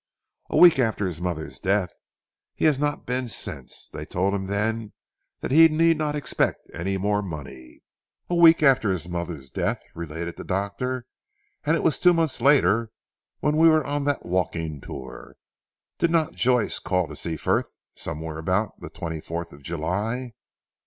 "A week after his mother's death. He has not been since. They told him then that he need not expect any more money." "A week after his mother's death," related the doctor "and it was two months later we were on that walking tour! Did not Joyce call to see Frith somewhere about the twenty fourth of July?"